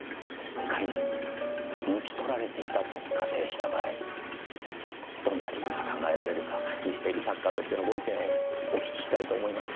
仮に抜き取られていたと仮定した場合どんな理由が考えられるかミステリー作家としてのご意見をお聞きしたいと思いまして。